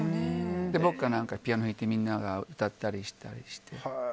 僕がピアノを弾いてみんなが歌ったりして。